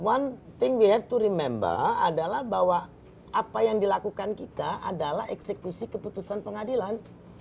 one thing we have to remamble adalah bahwa apa yang dilakukan kita adalah eksekusi keputusan pengadilan